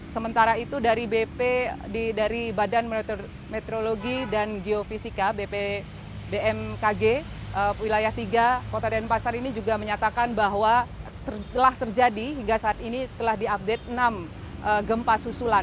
sementara itu dari badan meteorologi dan geofisika bpmkg wilayah tiga kota denpasar ini juga menyatakan bahwa telah terjadi hingga saat ini telah diupdate enam gempa susulan